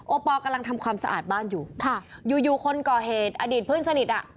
ปอลกำลังทำความสะอาดบ้านอยู่ค่ะอยู่อยู่คนก่อเหตุอดีตเพื่อนสนิทอ่ะ